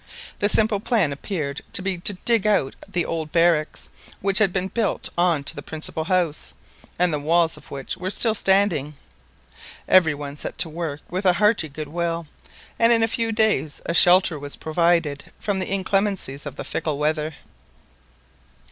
The simple plan appeared to be to dig out the old barracks, which had been built on to the principal house, and the walls of which were still standing. Every one set to work with a hearty good will, and in a few days a shelter was provided from the inclemencies of the fickle weather.